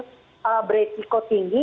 dan ini yang akan semakin beresiko tinggi